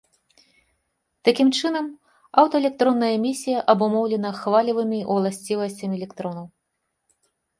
Такім чынам, аўтаэлектронная эмісія абумоўлена хвалевымі ўласцівасцямі электронаў.